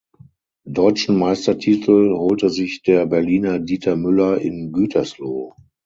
Deutschen Meistertitel holte sich der Berliner Dieter Müller in Gütersloh.